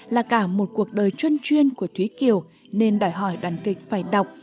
là cả một cuộc đời chuyên chuyên của thúy kiều nên đòi hỏi đoàn kịch phải đọc